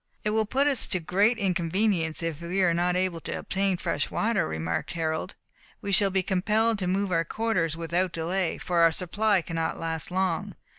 "It will put us to great inconvenience if we are not able to obtain fresh water," remarked Harold. "We shall be compelled to move our quarters without delay, for our supply cannot last long.